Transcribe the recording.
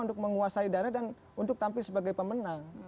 untuk menguasai dana dan untuk tampil sebagai pemenang